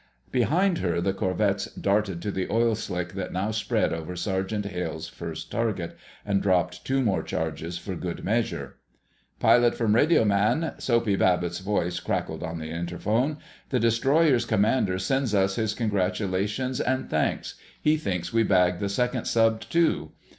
Behind her, the corvettes darted to the oil slick that now spread over Sergeant Hale's first target, and dropped two more charges for good measure. "Pilot from radioman," Soapy Babbitt's voice crackled on the interphone. "The destroyer's commander sends us his congratulations and thanks. He thinks we bagged the second sub, too.